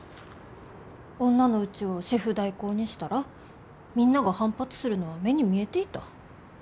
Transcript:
女のうちをシェフ代行にしたらみんなが反発するのは目に見えていた。